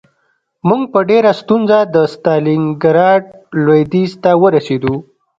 موږ په ډېره ستونزه د ستالینګراډ لویدیځ ته ورسېدو